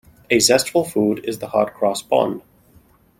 A zestful food is the hot-cross bun.